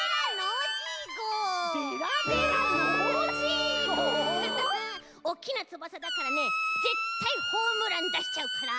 おっきなつばさだからねぜったいホームランだしちゃうから。